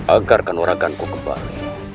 agar khanuraganku kembali